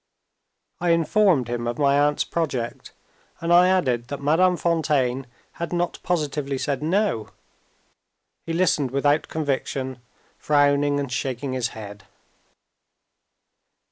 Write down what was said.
I informed him of my aunt's project; and I added that Madame Fontaine had not positively said No. He listened without conviction, frowning and shaking his head.